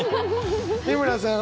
美村さん